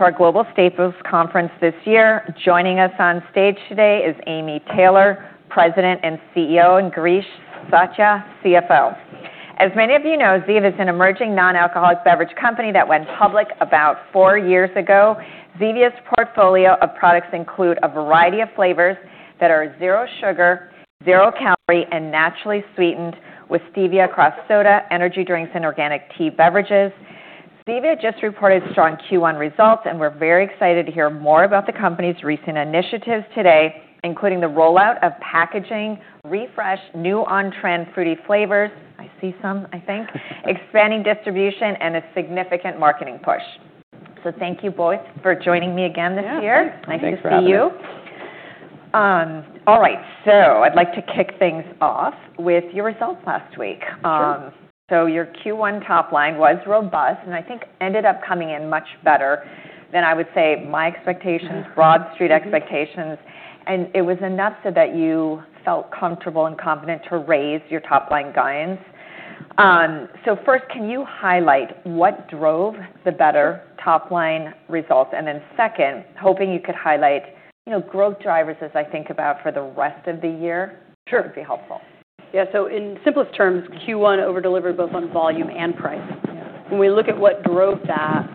To our Global Staples Conference this year. Joining us on stage today is Amy Taylor, President and CEO, and Girish Satya, CFO. As many of you know, Zevia PBC is an emerging non-alcoholic beverage company that went public about four years ago. Zevia PBC's portfolio of products include a variety of flavors that are zero sugar, zero calorie, and naturally sweetened with stevia across soda, energy drinks, and organic tea beverages. Zevia PBC just reported strong Q1 results, and we're very excited to hear more about the company's recent initiatives today, including the rollout of packaging, refresh, new on-trend fruity flavors, I see some, I think, expanding distribution and a significant marketing push. Thank you both for joining me again this year. Yeah, thanks. Thanks for having us. Nice to see you. All right. I'd like to kick things off with your results last week. Sure. Your Q1 top line was robust, and I think ended up coming in much better than I would say my expectations. Broad Street expectations. It was enough that you felt comfortable and confident to raise your top-line guidance. First, can you highlight what drove the better top-line results? Second, hoping you could highlight, you know, growth drivers as I think about for the rest of the year. Sure would be helpful. In simplest terms, Q1 over-delivered both on volume and price. When we look at what drove that,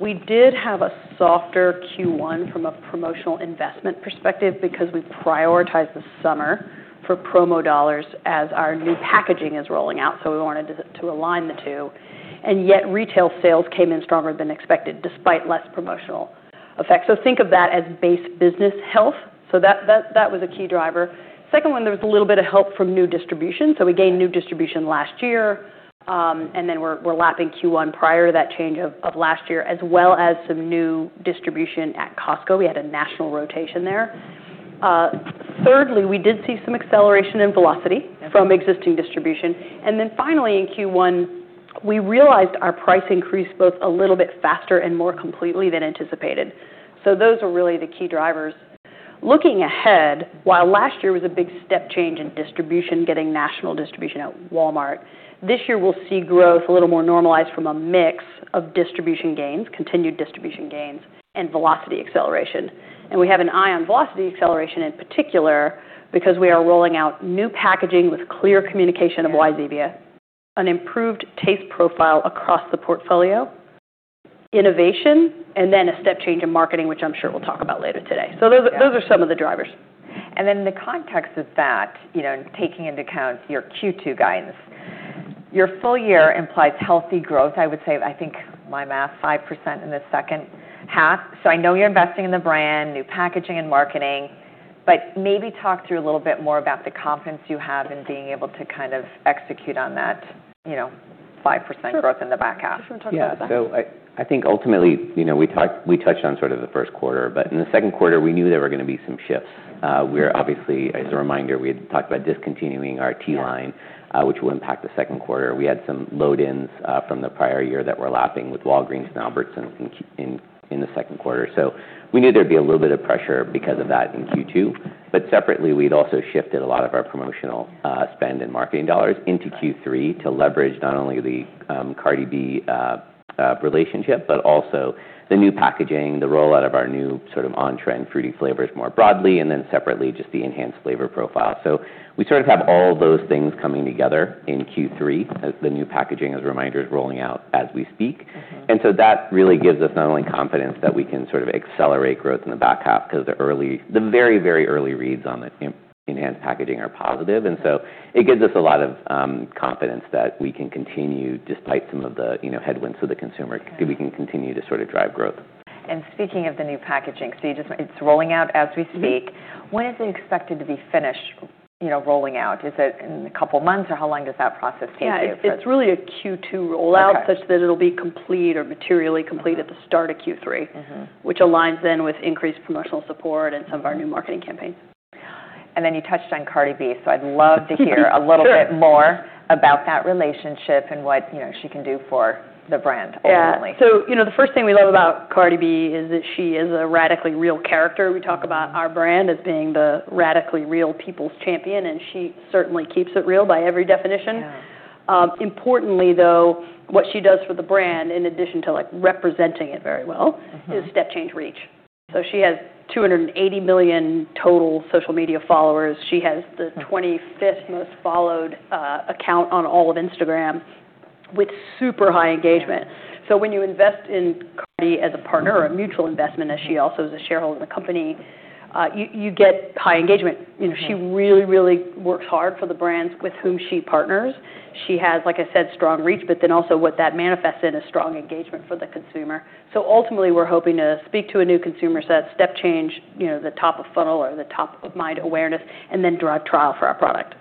we did have a softer Q1 from a promotional investment perspective because we prioritized the summer for promo dollars as our new packaging is rolling out, so we wanted to align the two. Retail sales came in stronger than expected, despite less promotional effect. Think of that as base business health. That was a key driver. Second one, there was a little bit of help from new distribution. We gained new distribution last year. We're lapping Q1 prior to that change of last year, as well as some new distribution at Costco. We had a national rotation there. Thirdly, we did see some acceleration in velocity from existing distribution. Finally, in Q1, we realized our price increased both a little bit faster and more completely than anticipated. Those are really the key drivers. Looking ahead, while last year was a big step change in distribution, getting national distribution at Walmart, this year we'll see growth a little more normalized from a mix of distribution gains, continued distribution gains, and velocity acceleration. We have an eye on velocity acceleration in particular because we are rolling out new packaging with clear communication of why Zevia. An improved taste profile across the portfolio, innovation, and then a step change in marketing, which I'm sure we'll talk about later today. Those are some of the drivers. In the context of that, you know, and taking into account your Q2 guidance, your full year implies healthy growth, I would say, I think my math 5% in the second half. I know you're investing in the brand, new packaging and marketing, but maybe talk through a little bit more about the confidence you have in being able to kind of execute on that, you know, 5% growth in the back half. Sure. Do you want to talk about that? Yeah. I think ultimately, you know, we touched on sort of the first quarter, in the second quarter we knew there were gonna be some shifts. We're obviously, as a reminder, we had talked about discontinuing our tea line which will impact the second quarter. We had some load ins from the prior year that we're lapping with Walgreens and Albertsons in the second quarter. We knew there'd be a little bit of pressure because of that in Q2. Separately, we'd also shifted a lot of our promotional spend and marketing dollars into Q3 to leverage not only the Cardi B relationship, but also the new packaging, the rollout of our new sort of on-trend fruity flavors more broadly, and separately, just the enhanced flavor profile. We sort of have all those things coming together in Q3 as the new packaging, as a reminder, is rolling out as we speak. That really gives us not only confidence that we can sort of accelerate growth in the back half, because the early, the very early reads on the enhanced packaging are positive. It gives us a lot of confidence that we can continue despite some of the, you know, headwinds to the consumer. We can continue to sort of drive growth. Speaking of the new packaging, you are just it's rolling out as we speak. When is it expected to be finished, you know, rolling out? Is it in a couple of months or how long does that process take you? Yeah. It's really a Q2 rollout. Such that it'll be complete or materially complete at the start of Q3.which aligns then with increased promotional support and some of our new marketing campaigns. Then you touched on Cardi B, so I'd love to hear a little bit more about that relationship and what, you know, she can do for the brand ultimately. Yeah. You know, the first thing we love about Cardi B is that she is a radically real character. We talk about our brand as being the radically real people's champion, and she certainly keeps it real by every definition. Importantly, though, what she does for the brand, in addition to, like, representing it very well is step change reach. She has 280 million total social media followers. She has the 25th most followed account on all of Instagram with super high engagement. When you invest in Cardi B as a partner, a mutual investment, as she also is a shareholder in the company, you get high engagement. You know, she really works hard for the brands with whom she partners. She has, like I said, strong reach, also what that manifest in is strong engagement for the consumer. Ultimately, we're hoping to speak to a new consumer set, step change, you know, the top of funnel or the top of mind awareness and then drive trial for our product.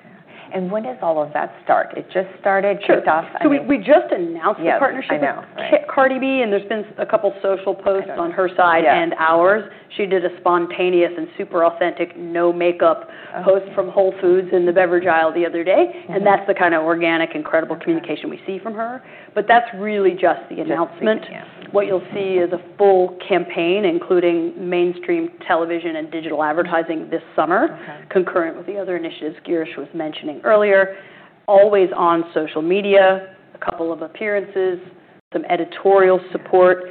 When does all of that start? It just started, kicked off, I mean. Sure. We just announced the partnership. Yeah, I know. Right. With Cardi B, and there's been a couple social posts on her side and ours. She did a spontaneous and super authentic no makeup post from Whole Foods in the beverage aisle the other day. That's the kind of organic, incredible communication we see from her. That's really just the announcement. What you'll see is a full campaign, including mainstream television and digital advertising this summer. Concurrent with the other initiatives Girish was mentioning earlier. Always on social media, a couple of appearances, some editorial support,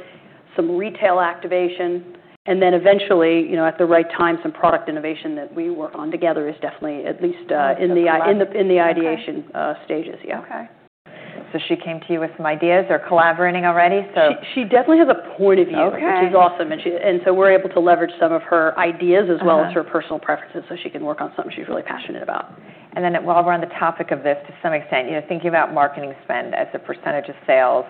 some retail activation, and then eventually, you know, at the right time, some product innovation that we work on together is definitely at least. In the ideation, stages. Yeah. Okay. She came to you with some ideas. They're collaborating already. She definitely has a point of view which is awesome, and so we're able to leverage some of her ideas as well.as her personal preferences so she can work on something she's really passionate about. While we're on the topic of this to some extent, you know, thinking about marketing spend as a percentage of sales,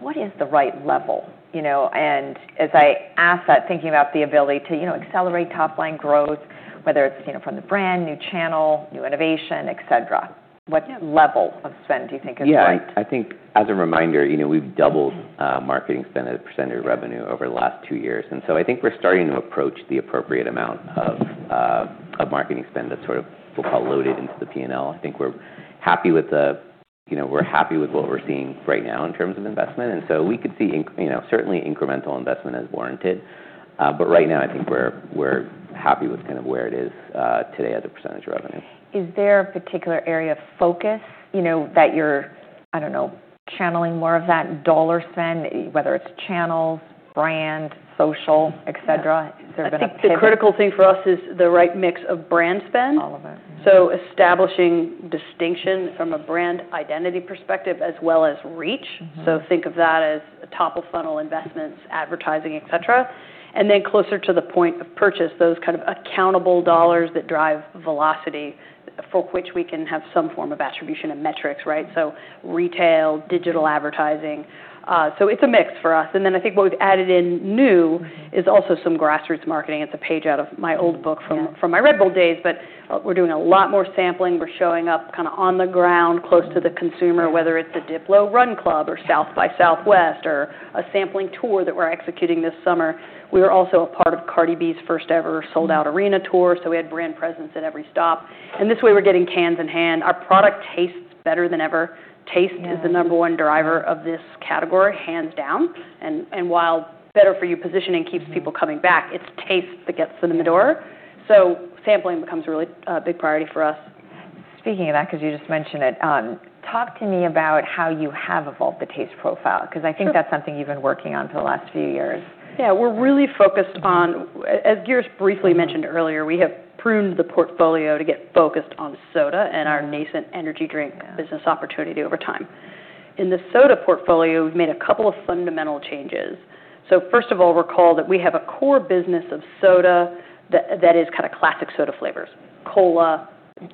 what is the right level, you know? As I ask that, thinking about the ability to, you know, accelerate top line growth, whether it's, you know, from the brand, new channel, new innovation, et cetera. What level of spend do you think is right? Yeah. I think as a reminder, you know, we've doubled marketing spend as a percentage of revenue over the last two years, and so I think we're starting to approach the appropriate amount of marketing spend that's sort of, we'll call, loaded into the P&L. You know, we're happy with what we're seeing right now in terms of investment, and so we could see, you know, certainly incremental investment as warranted. Right now, I think we're happy with kind of where it is today as a percentage of revenue. Is there a particular area of focus, you know, that you're, I don't know, channeling more of that dollar spend, whether it's channels, brand, social, et cetera? I think the critical thing for us is the right mix of brand spend. All of it. Establishing distinction from a brand identity perspective as well as reach. Think of that as top of funnel investments, advertising, et cetera. Closer to the point of purchase, those kinds of accountable dollars that drive velocity, for which we can have some form of attribution and metrics, right? Retail, digital advertising. It's a mix for us. I think what we've added in new-is also some grassroots marketing. It's a page out of my old book. From my Red Bull days, but we're doing a lot more sampling. We're showing up kind of on the ground, close to the consumer. Whether it's the Diplo's Run Club or South by Southwest or a sampling tour that we're executing this summer. We are also a part of Cardi B's first ever sold-out arena tour, so we had brand presence at every stop. This way we're getting cans in hand. Our product tastes better than ever. Taste is the number one driver of this category, hands down. While better for you positioning keeps people coming back, it's taste that gets them in the door. Sampling becomes a really big priority for us. Speaking of that, 'cause you just mentioned it, talk to me about how you have evolved the taste profile, because I think that's something you've been working on for the last few years. Yeah. We're really focused on our, as Girish briefly mentioned earlier, we have pruned the portfolio to get focused on soda and our nascent energy drink.business opportunity over time. In the soda portfolio, we've made a couple of fundamental changes. First of all, recall that we have a core business of soda that is kind of classic soda flavors, Cola,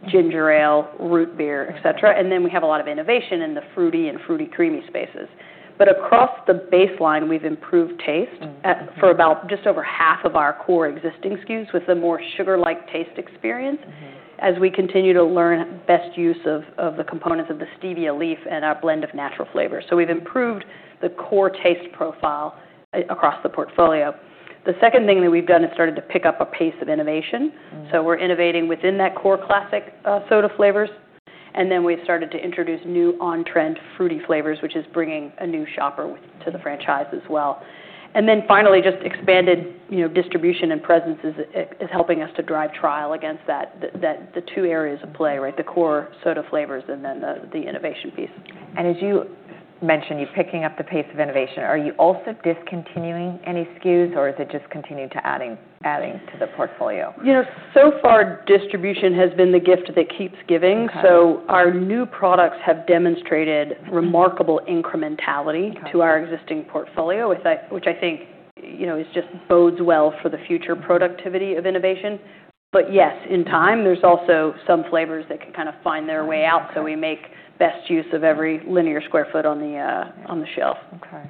Ginger Ale, Root Beer, et cetera. We have a lot of innovation in the fruity and fruity creamy spaces. Across the baseline, we've improved taste.at, for about just over half of our core existing SKUs with a more sugar-like taste experience. As we continue to learn best use of the components of the stevia leaf and our blend of natural flavors. We've improved the core taste profile across the portfolio. The second thing that we've done is started to pick up a pace of innovation. We're innovating within that core classic, soda flavors. We've started to introduce new on-trend fruity flavors, which is bringing a new shopper to the franchise as well. Finally, just expanded, you know, distribution and presence is helping us to drive trial against that, the two areas of play, right? The core soda flavors, the innovation piece. As you mentioned, you're picking up the pace of innovation. Are you also discontinuing any SKUs, or is it just continuing to be adding to the portfolio? You know, so far distribution has been the gift that keeps giving. Our new products have demonstrated remarkable incrementality. To our existing portfolio, which I think, you know, is just bodes well for the future productivity of innovation. Yes, in time, there's also some flavors that can kind of find their way out. We make best use of every linear square foot on the shelf. Okay.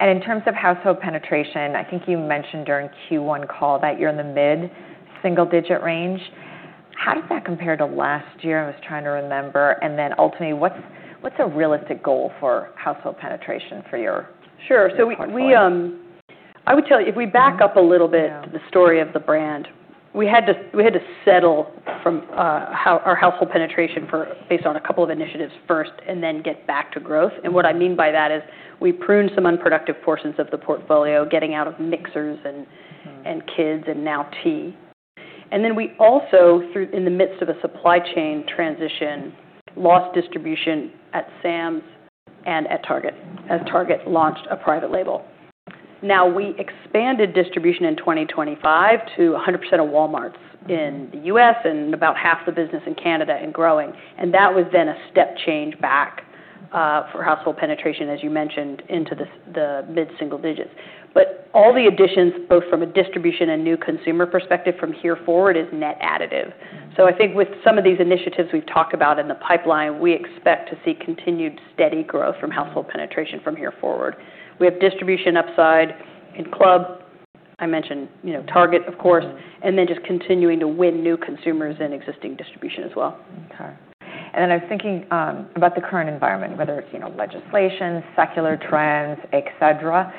In terms of household penetration, I think you mentioned during Q1 call that you're in the mid-single digit range. How does that compare to last year? I was trying to remember. Ultimately, what's a realistic goal for household penetration? Sure. I would tell you, if we back up a little bit to the story of the brand, we had to settle from, our household penetration for, based on a couple of initiatives first, and then get back to growth. What I mean by that is we pruned some unproductive portions of the portfolio, getting out of mixers and kids and now tea. We also, through, in the midst of a supply chain transition, lost distribution at Sam's and at Target, as Target launched a private label. Now, we expanded distribution in 2025 to 100% of Walmart. In the U.S. and about half the business in Canada and growing, and that was then a step change back for household penetration, as you mentioned, into the mid-single digits. All the additions, both from a distribution and new consumer perspective from here forward, is net additive. I think with some of these initiatives we've talked about in the pipeline, we expect to see continued steady growth from household penetration from here forward. We have distribution upside in club. I mentioned, you know, Target, of course. Just continuing to win new consumers in existing distribution as well. Okay. Then I was thinking about the current environment, whether it's, you know, legislation, secular trends, et cetera.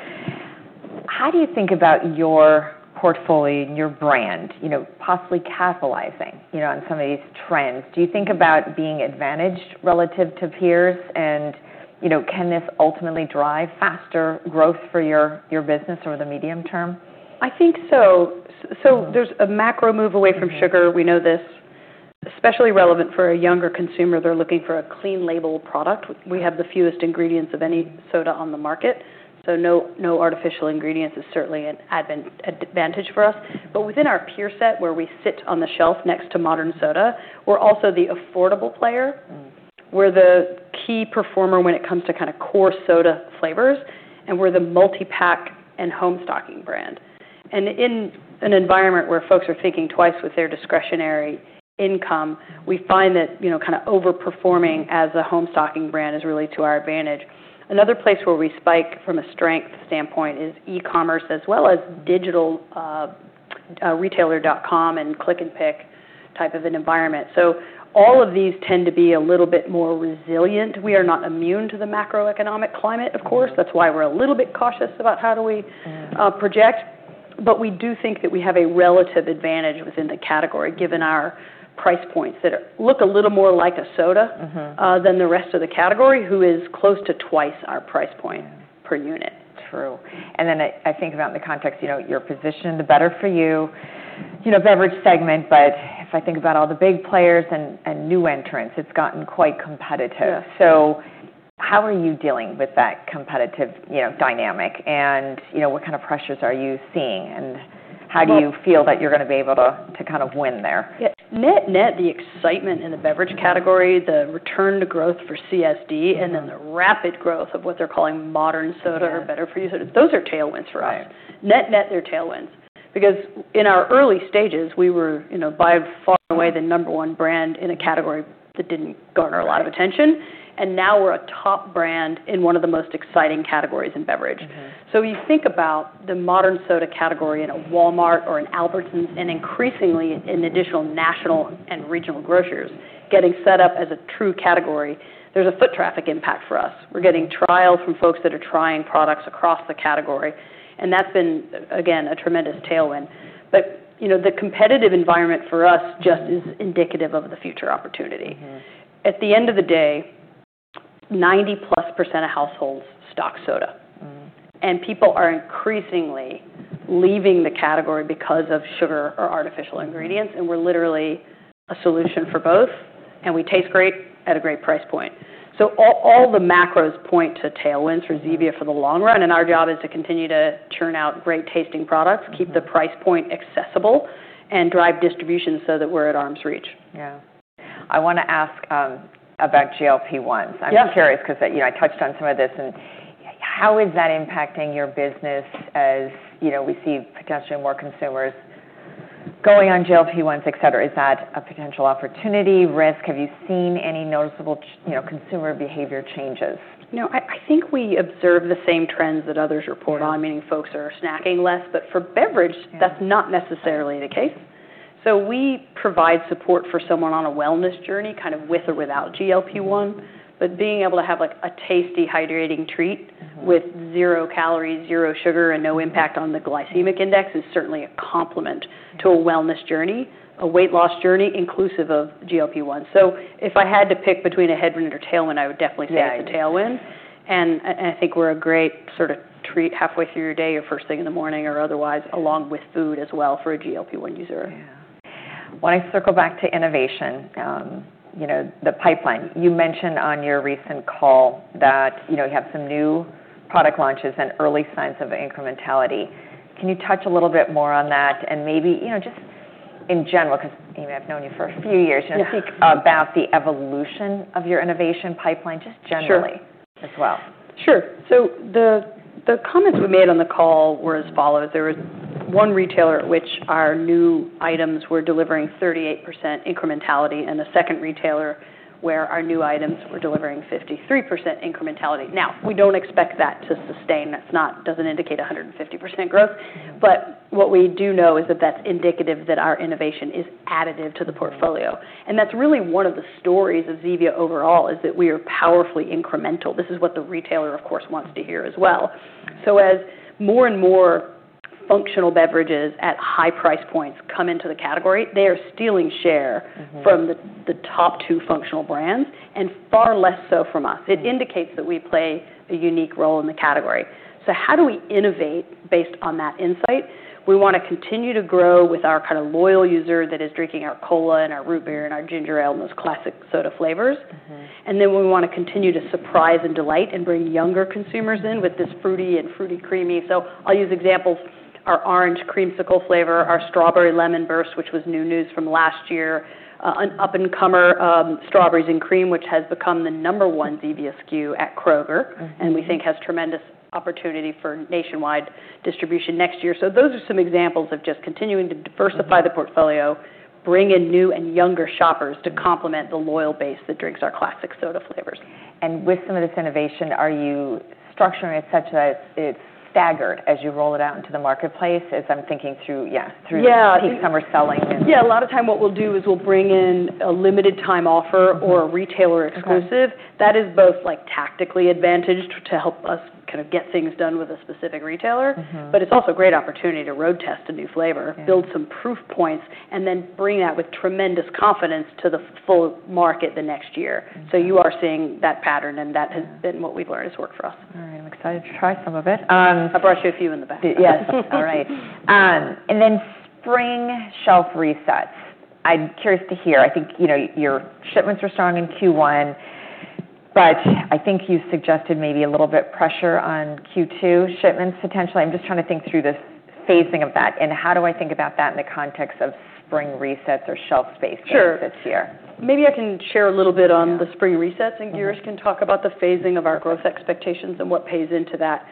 How do you think about your portfolio and your brand, you know, possibly capitalizing, you know, on some of these trends? Do you think about being advantaged relative to peers? You know, can this ultimately drive faster growth for your business over the medium term? I think so. There's a macro move away from sugar. We know this, especially relevant for a younger consumer. They're looking for a clean label product. We have the fewest ingredients of any soda on the market, so no artificial ingredients is certainly an advantage for us. Within our peer set, where we sit on the shelf next to Modern Soda, we're also the affordable player. We're the key performer when it comes to kind of core soda flavors, and we're the multi-pack and home stocking brand. In an environment where folks are thinking twice with their discretionary income, we find that, you know, kind of over-performing as a home stocking brand is really to our advantage. Another place where we spike from a strength standpoint is e-commerce as well as digital, retailer.com and click and pick type of an environment. All of these tend to be a little bit more resilient. We are not immune to the macroeconomic climate, of course. That's why we're a little bit cautious about how we project. We do think that we have a relative advantage within the category, given our price points that look a little more like a soda than the rest of the category, who is close to twice our price point per unit. True. I think about in the context, you know, your position, the better for you [inaudible] beverage segment. If I think about all the big players and new entrants, it's gotten quite competitive. How are you dealing with that competitive, you know, dynamic? You know, what kind of pressures are you seeing? How do you feel that you're gonna be able to kind of win there? Yeah. Net-net, the excitement in the beverage category, the return to growth for CSD, and then the rapid growth of what they're calling Modern Soda better for you. Those are tailwinds for us. Right. Net-net, they're tailwinds because in our early stages, we were, you know, by far and away the number one brand in a category that didn't garner a lot of attention. Now we're a top brand in one of the most exciting categories in beverage. When you think about the Modern Soda category in a Walmart or an Albertsons, and increasingly in additional national and regional grocers getting set up as a true category, there's a foot traffic impact for us. We're getting trials from folks that are trying products across the category, and that's been, again, a tremendous tailwind. You know, the competitive environment for us just is indicative of the future opportunity. At the end of the day, 90%+ of households stock soda. People are increasingly leaving the category because of sugar or artificial ingredients. We're literally a solution for both, and we taste great at a great price point. All the macros point to tailwinds for Zevia for the long run, and our job is to continue to churn out great tasting products, keep the price point accessible, and drive distribution so that we're at arm's reach. Yeah. I wanna ask about GLP-1s. Yeah. I'm just curious because, you know, I touched on some of this and how is that impacting your business as, you know, we see potentially more consumers going on GLP-1s, et cetera? Is that a potential opportunity, risk? Have you seen any noticeable you know, consumer behavior changes? You know, I think we observe the same trends that others report on. Meaning folks are snacking less. for beverage thats not necessarily the case. We provide support for someone on a wellness journey, kind of with or without GLP-1 being able to have, like, a tasty hydrating treat. With zero calories, zero sugar, and no impact on the glycemic index is certainly a complement to a wellness journey, a weight loss journey inclusive of GLP-1. If I had to pick between a headwind or tailwind, I would definitely say. It's a tailwind. I think we're a great sort of treat halfway through your day or first thing in the morning or otherwise, along with food as well for a GLP-1 user. I want to circle back to innovation, you know, the pipeline. You mentioned on your recent call that, you know, you have some new product launches and early signs of incrementality. Can you touch a little bit more on that and maybe, you know, just in general, 'cause Amy, I've known you for a few years now about the evolution of your innovation pipeline just generally? Sure as well. Sure. The comments we made on the call were as follows. There was one retailer at which our new items were delivering 38% incrementality, and the second retailer where our new items were delivering 53% incrementality. We don't expect that to sustain. That doesn't indicate 150% growth. What we do know is that that's indicative that our innovation is additive to the portfolio. That's really one of the stories of Zevia overall, is that we are powerfully incremental. This is what the retailer, of course, wants to hear as well. As more and more functional beverages at high price points come into the category, they are stealing share. From the top two functional brands, and far less so from us. It indicates that we play a unique role in the category. How do we innovate based on that insight? We wanna continue to grow with our kind of loyal user that is drinking our Cola and our Root Beer and our Ginger Ale and those classic soda flavors. We wanna continue to surprise and delight and bring younger consumers in with this fruity and fruity creamy. I'll use examples, our Orange Creamsicle flavor, our Strawberry Lemon Burst, which was new news from last year, an up-and-comer, Strawberries & Cream, which has become the number one Zevia SKU at Kroger. We think has tremendous opportunity for nationwide distribution next year. Those are some examples of just continuing to diversify the portfolio. Bring in new and younger shoppers to complement the loyal base that drinks our classic soda flavors. With some of this innovation, are you structuring it such that it's staggered as you roll it out into the marketplace? Yeah Peak summer selling. Yeah, a lot of time what we'll do is we'll bring in a limited time offer or a retailer exclusive. Okay. That is both, like, tactically advantaged to help us kind of get things done with a specific retailer. It's also a great opportunity to road test a new flavor. Build some proof points and then bring that with tremendous confidence to the full market the next year. You are seeing that pattern, and that has been what we've learned has worked for us. All right. I'm excited to try some of it. I brought you a few in the back. Yes. All right. Spring shelf resets. I'm curious to hear. I think, you know, your shipments were strong in Q1. I think you suggested maybe a little bit pressure on Q2 shipments potentially. I'm just trying to think through the phasing of that and how do I think about that in the context of spring resets or shelf space this year. Maybe I can share a little bit on the spring resets. Girish Satya can talk about the phasing of our growth expectations and what plays into that.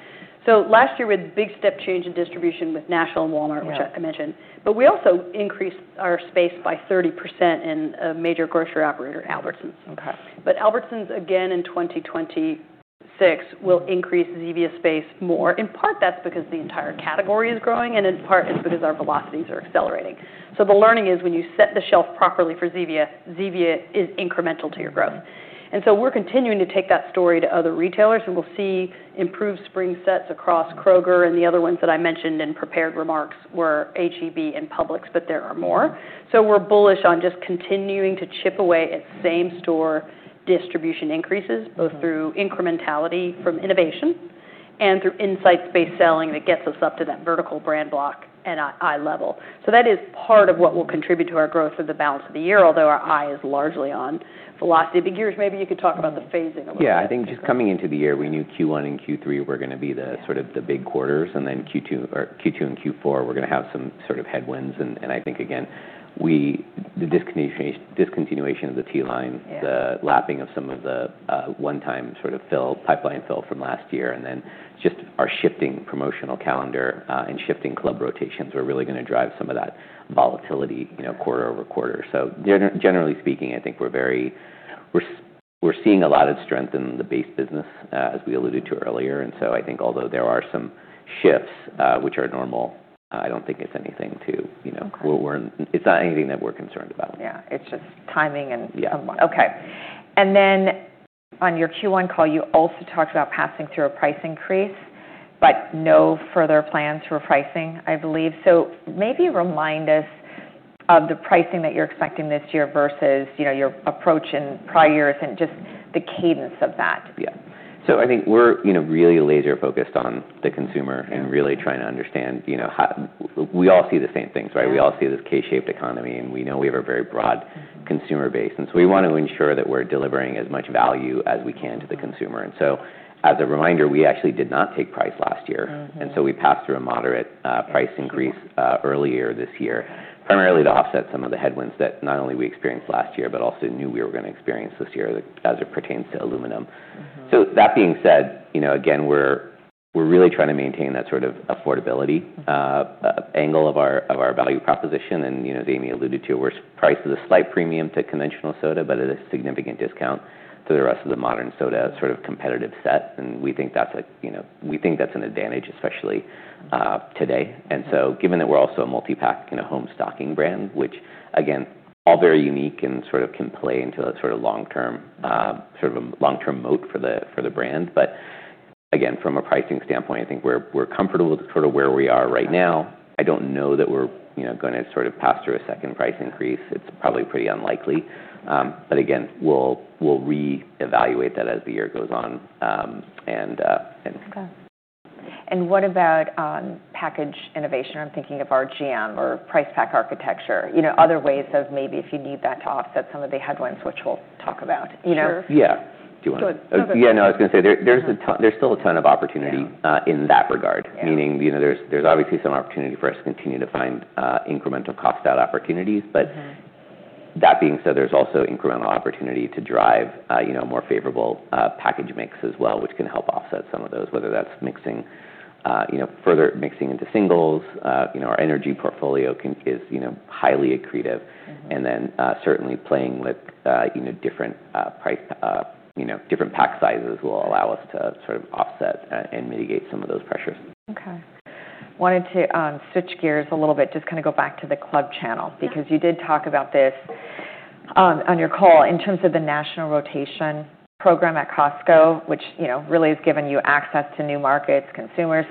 Last year was a big step change in distribution with national and Walmart. Which I mentioned. We also increased our space by 30% in a major grocery operator, Albertsons. Okay. Albertsons, again, in 2026, will increase Zevia space more. In part, that's because the entire category is growing, and in part it's because our velocities are accelerating. The learning is when you set the shelf properly for Zevia is incremental to your growth. We're continuing to take that story to other retailers, and we'll see improved spring sets across Kroger, and the other ones that I mentioned in prepared remarks were H-E-B and Publix, but there are more. We're bullish on just continuing to chip away at same-store distribution increases. Both through incrementality from innovation and through insights-based selling that gets us up to that vertical brand block and eye level. That is part of what will contribute to our growth for the balance of the year, although our eye is largely on velocity. Girish maybe you could talk about the phasing a little bit. Yeah. I think just coming into the year, we knew Q1 and Q3 were gonna be. Sort of the big quarters, and then Q2, or Q2 and Q4 were gonna have some sort of headwinds. I think again, we, the discontinuation of the tea line. The lapping of some of the one-time sort of fill, pipeline fill from last year, and then just our shifting promotional calendar, and shifting club rotations are really gonna drive some of that volatility, you know, quarter-over-quarter. Generally speaking, I think we're seeing a lot of strength in the base business, as we alluded to earlier. I think although there are some shifts, which are normal, I don't think it's anything to, you know. It's not anything that we're concerned about. Yeah, it's just timing and alignment. Okay. On your Q1 call, you also talked about passing through a price increase, but no further plans for pricing, I believe. Maybe remind us of the pricing that you're expecting this year versus, you know, your approach in prior years and just the cadence of that. Yeah. I think we're, you know, really laser focused on the consumer. Really trying to understand, you know, how we all see the same things, right? Yeah. We all see this K-shaped economy, and we know we have a very broad consumer base. We want to ensure that we're delivering as much value as we can to the consumer. As a reminder, we actually did not take price last year. We passed through a moderate price increase earlier this year, primarily to offset some of the headwinds that not only we experienced last year but also knew we were gonna experience this year as it pertains to aluminum. That being said, you know, again, we're really trying to maintain that sort of affordability angle of our value proposition. You know, as Amy alluded to, we're priced at a slight premium to conventional soda, but at a significant discount to the rest of the Modern Soda sort of competitive set. We think that's a, you know, we think that's an advantage, especially today. Given that we're also a multi-pack, you know, home stocking brand, which again, all very unique and sort of can play into that sort of long-term, sort of long-term moat for the brand. Again, from a pricing standpoint, I think we're comfortable with sort of where we are right now. I don't know that we're, you know, gonna sort of pass through a second price increase. It's probably pretty unlikely. Again, we'll reevaluate that as the year goes on. Okay. What about package innovation? I'm thinking of RGM or price pack architecture. You know, other ways of maybe if you need that to offset some of the headwinds, which we'll talk about, you know? Sure. Yeah. Go ahead. No, go ahead Yeah, no, I was gonna say there's a ton, there's still a ton of opportunity in that regard. Meaning, you know, there's obviously some opportunity for us to continue to find incremental cost out opportunities. That being said, there's also incremental opportunity to drive, you know, more favorable package mixes as well, which can help offset some of those, whether that's mixing, you know, further mixing into singles. You know, our energy portfolio highly accretive. Certainly, playing with, you know, different, price, you know, different pack sizes will allow us to sort of offset and mitigate some of those pressures. Okay. Wanted to switch gears a little bit, just kind of go back to the club channel because you did talk about this on your call in terms of the National Rotation Program at Costco, which, you know, really has given you access to new markets, consumers.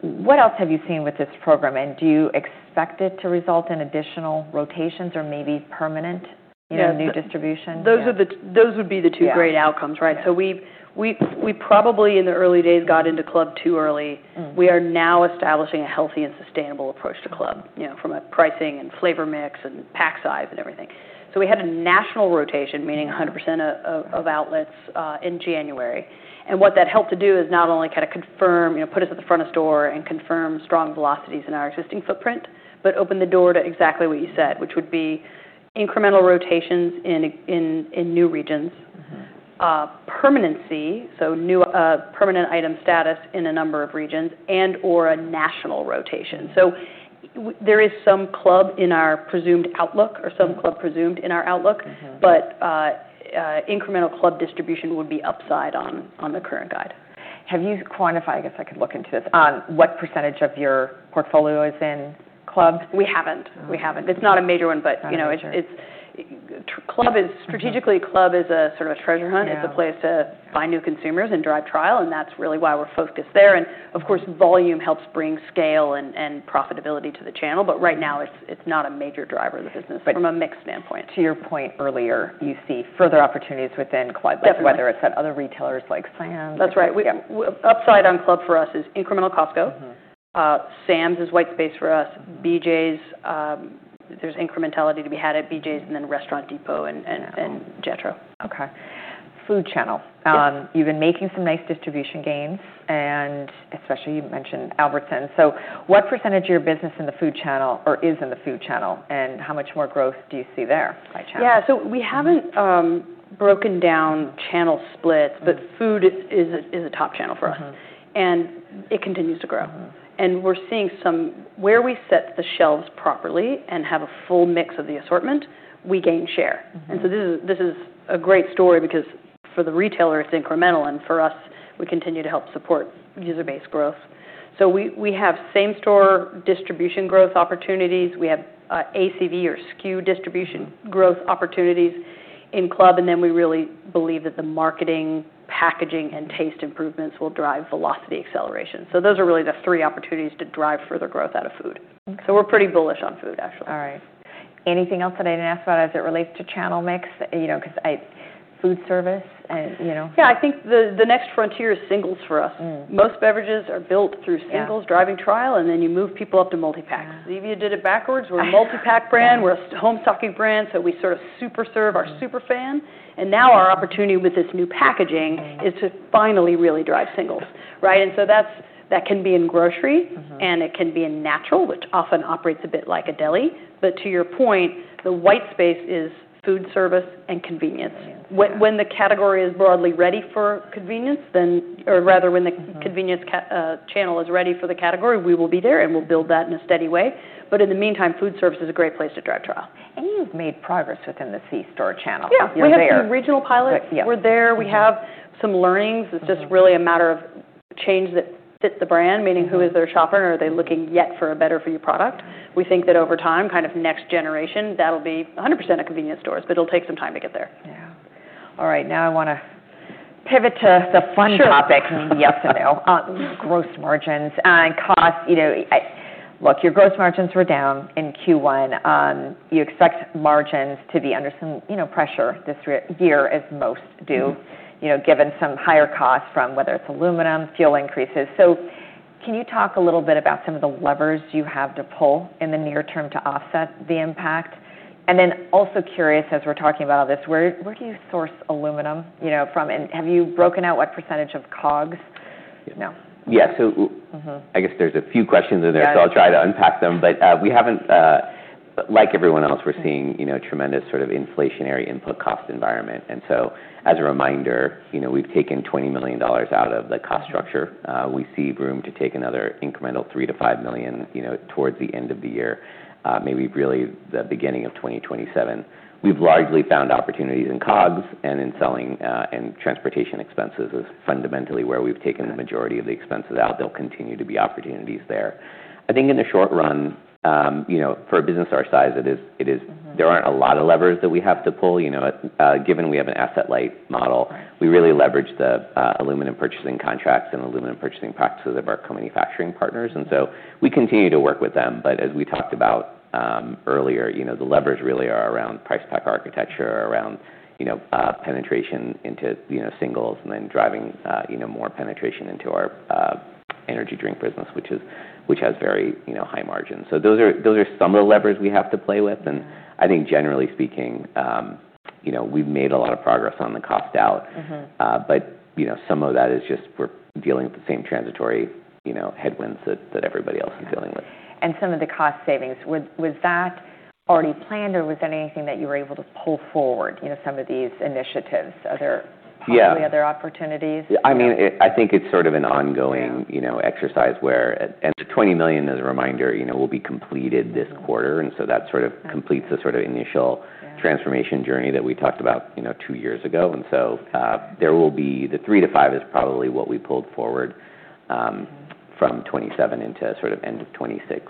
What else have you seen with this program, and do you expect it to result in additional rotations or maybe permanent, you know, new distribution? Those would be the two great outcomes, right? Yeah We probably in the early days got into club too early. We are now establishing a healthy and sustainable approach to club, you know, from a pricing and flavor mix and pack size and everything. We had a national rotation, meaning 100% of outlets in January. What that helped to do is not only kind of confirm, you know, put us at the front of store and confirm strong velocities in our existing footprint, but open the door to exactly what you said, which would be incremental rotations in new regions. Permanency, so new, permanent item status in a number of regions and/or a national rotation. There is some club in our presumed outlook or some club presumed in our outlook. Incremental club distribution would be upside on the current guide. Have you quantified, I guess I could look into this, what % of your portfolio is in club? We haven't We haven't. It's not a major one, but you know its club is strategically club is a sort of a treasure hunt. Yeah. It's a place to find new consumers and drive trial, and that's really why we're focused there. Of course, volume helps bring scale and profitability to the channel. Right now it's not a major driver of the business from a mix standpoint. To your point earlier, you see further opportunities within club? Definitely like whether it's at other retailers like Sam's. That's right. We, upside on club for us is incremental Costco. Sam's Club is white space for us. BJ's Wholesale Club. There's incrementality to be had at BJ's Wholesale Club, and then Restaurant Depot and Jetro. Okay. Food channel. Yeah. You've been making some nice distribution gains, and especially you mentioned Albertsons. What percentage of your business in the food channel or is in the food channel and how much more growth do you see there by channel? Yeah. We haven't broken down channel splits, but food is a top channel for us. It continues to grow. we set the shelves properly and have a full mix of the assortment, we gain share. This is a great story because for the retailer, it's incremental, and for us, we continue to help support user base growth. We have same store distribution growth opportunities. We have ACV or SKU distribution growth opportunities in club, and then we really believe that the marketing, packaging, and taste improvements will drive velocity acceleration. Those are really the three opportunities to drive further growth out of food. We're pretty bullish on food, actually. All right. Anything else that I didn't ask about as it relates to channel mix? You know, 'cause I Food service and, you know. Yeah, I think the next frontier is singles for us. Most beverages are built through singles driving trial, and then you move people up to multi-packs. Zevia did it backwards. We're a multi-pack brand. We're a home stocking brand. We sort of super serve our super fan. Now our opportunity with this new packaging. Is to finally really drive singles, right? That can be in grocery. It can be in natural, which often operates a bit like a deli, but to your point, the white space is food service and convenience. When the category is broadly ready for convenience. Convenience channel is ready for the category, we will be there, and we'll build that in a steady way. In the meantime, food service is a great place to drive trial. You've made progress within the C-store channel. You're there. Yeah. We have some regional pilots. Yeah. We're there. We have some learnings. It's just really a matter of change that fits the brand. Meaning who is their shopper and are they looking yet for a better-for-you product? We think that over time, kind of next generation, that'll be 100% of convenience stores, but it'll take some time to get there. Yeah. All right, now I wanna pivot to the fun topic. Sure. From the FNO. Gross margins and costs. You know, your gross margins were down in Q1. You expect margins to be under some, you know, pressure this year as most do. You know, given some higher costs from whether it's aluminum, fuel increases, can you talk a little bit about some of the levers you have to pull in the near term to offset the impact? Then also curious as we're talking about all this, where do you source aluminum, you know, from? Have you broken out what percentage of COGS? No. Yeah. I guess there's a few questions in there. I'll try to unpack them. We haven't, like everyone else, we're seeing, you know, tremendous sort of inflationary input cost environment. As a reminder, you know, we've taken $20 million out of the cost structure. We see room to take another incremental $3 million-$5 million, you know, towards the end of the year, maybe really the beginning of 2027. We've largely found opportunities in COGS and in selling, and transportation expenses is fundamentally where we've taken the majority of the expenses out. There'll continue to be opportunities there. I think in the short run, you know, for a business our size, it is there aren't a lot of levers that we have to pull, you know, given we have an asset light model. We really leverage the aluminum purchasing contracts and aluminum purchasing practices of our co-manufacturing partners, we continue to work with them. As we talked about earlier, you know, the levers really are around price pack architecture, around, you know, penetration into, you know, singles and then driving, you know, more penetration into our energy drink business, which has very, you know, high margins. Those are some of the levers we have to play with, and I think generally speaking, you know, we've made a lot of progress on the cost out. You know, some of that is just we're dealing with the same transitory, you know, headwinds that everybody else is dealing with. Okay. Some of the cost savings, was that already planned, or was that anything that you were able to pull forward, you know, some of these initiatives? Yeah probably other opportunities? I mean, I think it's sort of an ongoing you know, exercise where the $20 million, as a reminder, you know, will be completed this quarter, so that sort of completes the sort of initial transformation journey that we talked about, you know, two years ago. There will be the three to five is probably what we pulled forward. From 2027 into sort of end of 2026,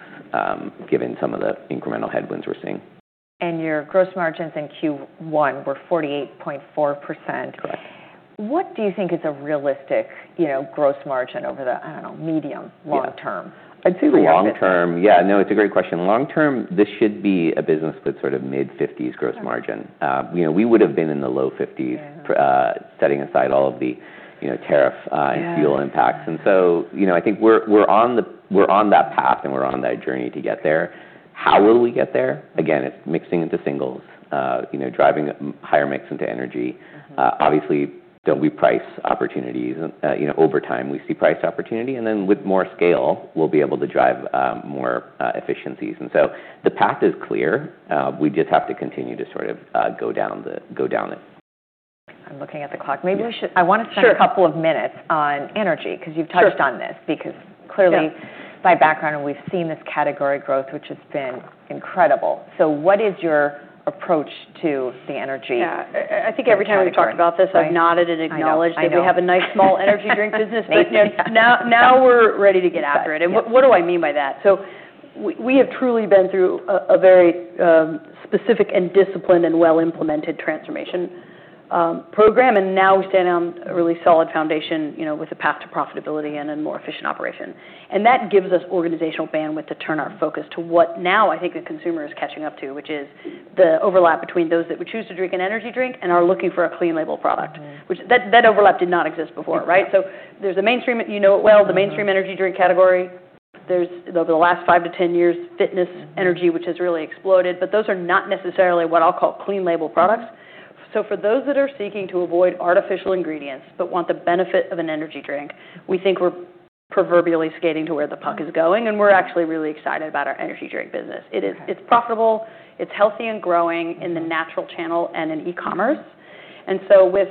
given some of the incremental headwinds we're seeing. Your gross margins in Q1 were 48.4%. Correct. What do you think is a realistic, you know, gross margin over the, I don't know, medium, long term? For your business? I'd say long term, yeah. No, it's a great question. Long term, this should be a business that's sort of mid-fifties gross margin. you know, we would've been in the low fifties. Setting aside all of the, you know, tariff, fuel impacts. You know, I think we're on that path, and we're on that journey to get there. How will we get there? Again, it's mixing into singles, you know, driving higher mix into energy. Obviously, don't we price opportunities, you know, over time we see price opportunity, and then with more scale we'll be able to drive, more efficiencies. The path is clear. We just have to continue to sort of, go down it. I'm looking at the clock. Yeah. I wanna spend a couple of minutes on energy, 'cause you've touched on this. Sure. Because clearly my background, and we've seen this category growth, which has been incredible. What is your approach to the energy category? I think every time we've talked about this. I've nodded and acknowledged. I know. I know. That we have a nice small energy drink business. Thank you. Now we're ready to get after it. What do I mean by that? We have truly been through a very specific and disciplined and well-implemented transformation program, and now we stand on a really solid foundation, you know, with a path to profitability and a more efficient operation. That gives us organizational bandwidth to turn our focus to what now I think the consumer is catching up to, which is the overlap between those that would choose to drink an energy drink and are looking for a clean label product. That overlap did not exist before, right. There's a mainstream, you know it well. The mainstream energy drink category. There's, you know, the last 5-10 years, fitness, energy, which has really exploded. Those are not necessarily what I'll call clean label products. For those that are seeking to avoid artificial ingredients, but want the benefit of an energy drink, we think we're proverbially skating to where the puck is going, and we're actually really excited about our energy drink business. It's profitable, it's healthy and growing in the natural channel and in e-commerce. With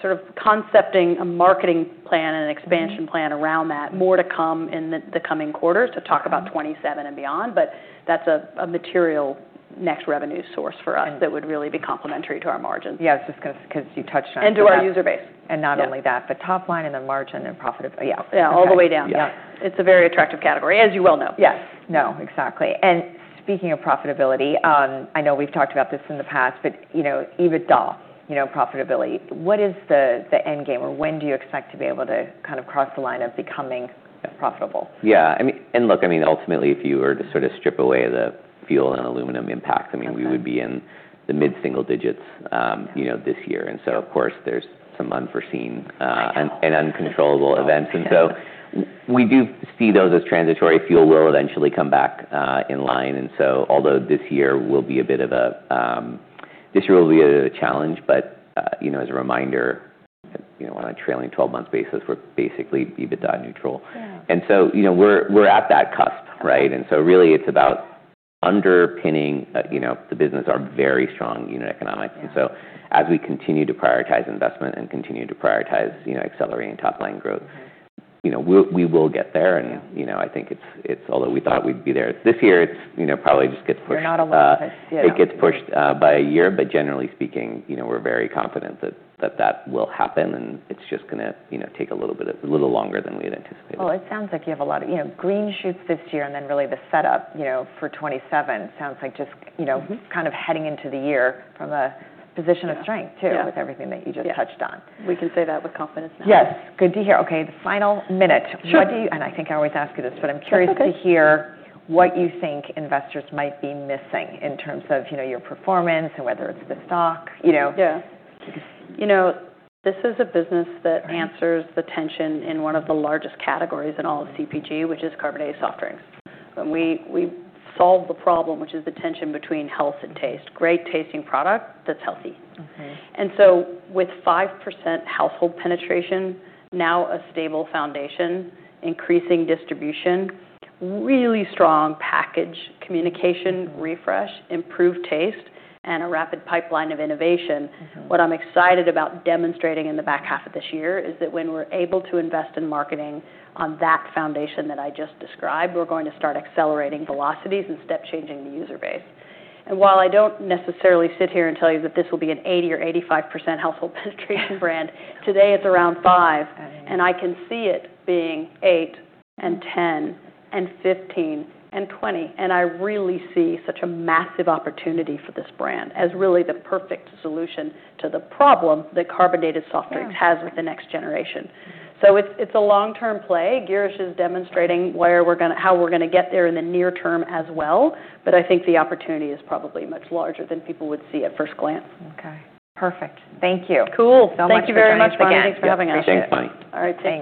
sort of concepting a marketing plan and an expansion plan around that, more to come in the coming quarters to talk about 2027 and beyond, but that's a material next revenue source for us. That would really be complementary to our margins. Yeah, just 'cause you touched on- To our user base. Not only that, but top line and then margin and profit. Yeah, okay. Yeah, all the way down Yeah. It's a very attractive category, as you well know. Yes. No, exactly. Speaking of profitability, I know we've talked about this in the past, but, you know, EBITDA, you know, profitability, what is the end game, or when do you expect to be able to kind of cross the line of becoming profitable? Yeah, I mean, look, I mean, ultimately, if you were to sort of strip away the fuel and aluminum impact. I mean, we would be in the mid-single digits, you know, this year. Of course, there's some unforeseen Uncontrollable events. We do see those as transitory. Fuel will eventually come back in line. Although this year will be a bit of a challenge, but, you know, as a reminder, you know, on a trailing 12-month basis, we're basically EBITDA neutral. Yeah. You know, we're at that cusp, right? Really, it's about underpinning, you know, the business, our very strong unit economics as we continue to prioritize investment and continue to prioritize, you know, accelerating top line growth. You know, we will get there. You know, I think it's, although we thought we'd be there this year, it's, you know, probably just gets pushed. You're not alone, but yeah. It gets pushed by a year, but generally speaking, you know, we're very confident that that will happen, and it's just gonna, you know, take a little longer than we had anticipated. Well, it sounds like you have a lot of, you know, green shoots this year and then really the setup, you know, for 2027. Kind of heading into the year from a position of strength. Yeah. Yeah. with everything that you just touched on. We can say that with confidence now. Yes. Good to hear. Okay, the final minute. Sure. What do you, and I think I always ask you this, but I'm curious to hear what you think investors might be missing in terms of, you know, your performance and whether it's the stock, you know? You know, this is a business that answers the tension in one of the largest categories in all of CPG, which is carbonated soft drinks. When we solve the problem, which is the tension between health and taste, great tasting product that's healthy. With 5% household penetration, now a stable foundation, increasing distribution, really strong package communication refresh, improved taste, and a rapid pipeline of innovation. What I'm excited about demonstrating in the back half of this year is that when we're able to invest in marketing on that foundation that I just described, we're going to start accelerating velocities and step-changing the user base. While I don't necessarily sit here and tell you that this will be an 80 or 85% household penetration brand, today it's around five. I can see it being eight and 10 and 15 and 20, and I really see such a massive opportunity for this brand as really the perfect solution to the problem that carbonated soft drinks has with the next generation. It's a long-term play. Girish is demonstrating where we're gonna, how we're gonna get there in the near term as well, but I think the opportunity is probably much larger than people would see at first glance. Okay. Perfect. Thank you very much, Bonnie, and thanks for having us. Yeah. Thanks, Bonnie. All right. Take care.